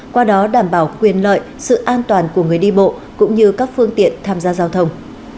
qua đó đảm bảo quyền lợi sự an toàn của người đi bộ cũng như các phương tiện tham gia giao thông